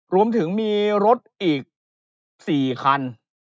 รวมถึงมีรถอีก๑๔คัน